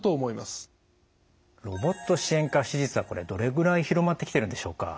ロボット支援下手術はどれぐらい広まってきてるんでしょうか？